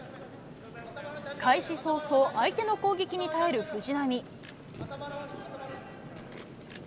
開始早々、相手の攻撃に耐える藤波。